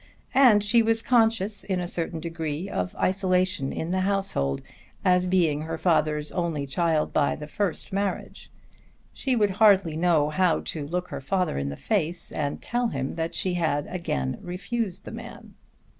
And she was conscious in a certain degree of isolation in the household, as being her father's only child by the first marriage. She would hardly know how to look her father in the face and tell him that she had again refused the man.